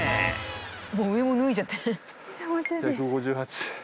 もう上も脱いじゃって。